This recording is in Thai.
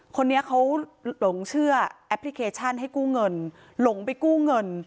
คนนี้เขาหลงเชื่อแอปพลิเคชันให้กู้เงินหลงไปกู้เงิน